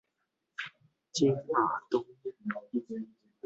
金馬東路